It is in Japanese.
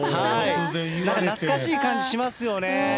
なんか懐かしい感じしますよね。